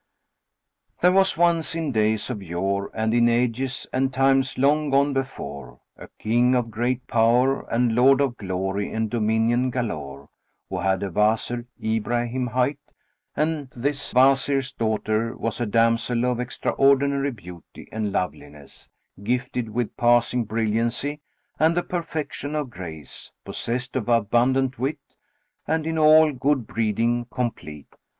[FN#30] There was once, in days of yore and in ages and times long gone before, a King of great power and lord of glory and dominion galore; who had a Wazir Ibrahim hight, and this Wazir's daughter was a damsel of extraordinary beauty and loveliness, gifted with passing brilliancy and the perfection of grace, possessed of abundant wit, and in all good breeding complete.